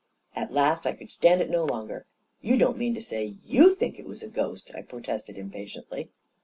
At last I could stand it no longer. " You don't mean to say you think it was a ghost I " I protested impatiently.